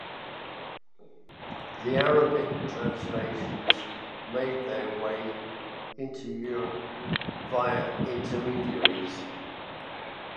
The Arabic translations made their way into Europe via intermediaries.